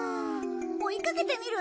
追いかけてみる？